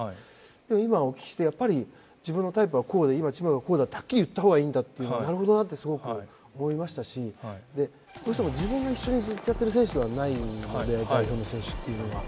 でも今お聞きしてやっぱり自分のタイプはこうで今チームはこうだってはっきり言った方がいいんだっていうのはなるほどなってすごく思いましたしどうしても自分が一緒にずっとやってる選手ではないので代表の選手っていうのは。